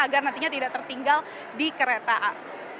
agar nantinya tidak tertinggal di keretaan